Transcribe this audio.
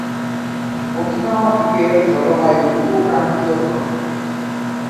Okinawa দ্বীপের জলবায়ু উপ-ক্রান্তীয় ধরনের।